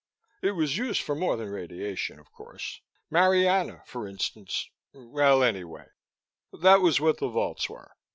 It was used for more than radiation, of course. Marianna, for instance Well, anyway, that was what the vaults were.